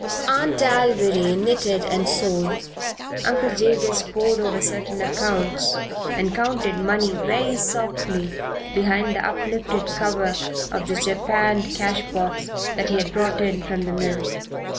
Aunt Alviry knitted and sewed; Uncle Jabez pored over certain accounts and counted money very softly behind the uplifted cover of the japanned cash box that he had brought in from the mill.